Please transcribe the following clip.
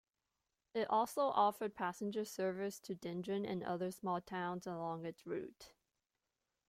It also offered passenger service to Dendron and other small towns along its route.